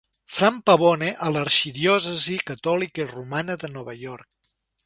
Frank Pavone, a l'arxidiòcesi catòlica i romana de Nova York.